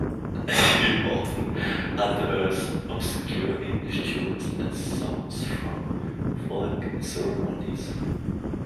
He often unearths obscure English tunes and songs from folk ceremonies.